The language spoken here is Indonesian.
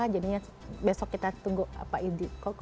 jadinya besok kita tunggu apa idi